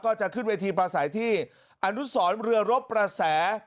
จะขึ้นเวทีประสัยที่อนุสรเรือรบประแส